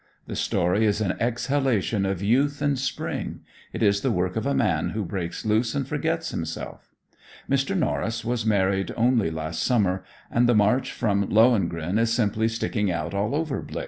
The story is an exhalation of youth and spring; it is the work of a man who breaks loose and forgets himself. Mr. Norris was married only last summer, and the march from "Lohengrin" is simply sticking out all over "Blix."